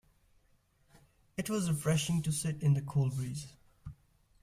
It was refreshing to sit in the cool breeze.